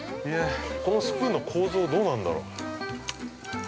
◆このスプーンの構造どうなんだろう。